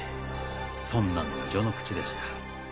そんなの序の口でした。